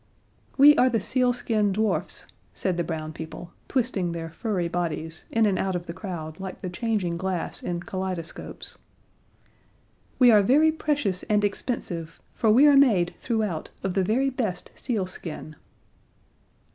"We are the sealskin dwarfs," said the brown people, twisting their furry bodies in and out of the crowd like the changing glass in kaleidoscopes. "We are very precious and expensive, for we are made, throughout, of the very best sealskin."